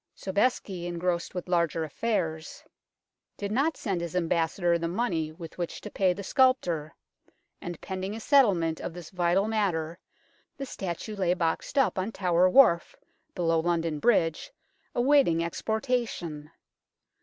Sobeisky, engrossed with larger affairs, did not send his Ambassador 172 UNKNOWN LONDON the money with which to pay the sculptor, and pending a settlement of this vital matter, the statue lay boxed up on Tower Wharf, below London Bridge, awaiting exportation.